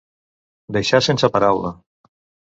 Deixar sense paraula.